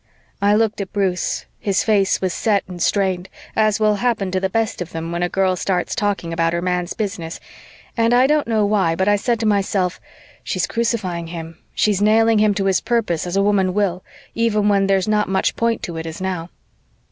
I looked at Bruce. His face was set and strained, as will happen to the best of them when a girl starts talking about her man's business, and I don't know why, but I said to myself, "She's crucifying him, she's nailing him to his purpose as a woman will, even when there's not much point to it, as now."